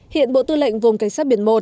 hiện bộ tư lệnh vùng cảnh sát biển một